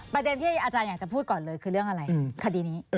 ประเด็นที่อาจารย์อยากจะพูดก่อนเลยคือเรื่องอะไรคดีนี้